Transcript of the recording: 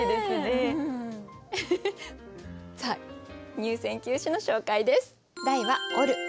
入選九首の紹介です。